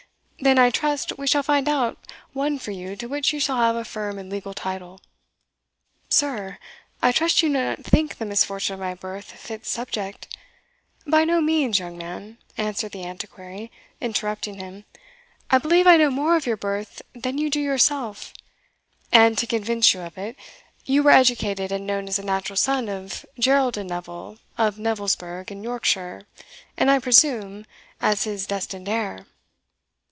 then, I trust, we shall find out one for you to which you shall have a firm and legal title." "Sir! I trust you do not think the misfortune of my birth a fit subject" "By no means, young man," answered the Antiquary, interrupting him; "I believe I know more of your birth than you do yourself and, to convince you of it, you were educated and known as a natural son of Geraldin Neville of Neville's Burgh, in Yorkshire, and I presume, as his destined heir?"